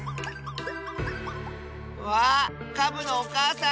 わあカブのおかあさん！